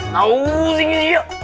kau singi siuk